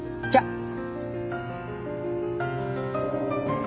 じゃあ。